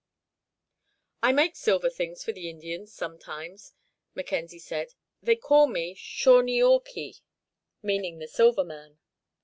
"I make silver things for the Indians, sometimes," Mackenzie said. "They call me 'Shaw ne aw kee,' meaning 'The Silver Man.'"